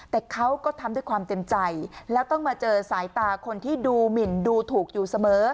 แต่เขาก็ทำด้วยความเต็มใจแล้วต้องมาเจอสายตาคนที่ดูหมินดูถูกอยู่เสมอ